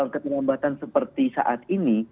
kesempatan seperti saat ini